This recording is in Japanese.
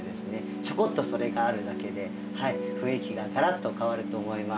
ちょこっとそれがあるだけで雰囲気がガラッと変わると思います。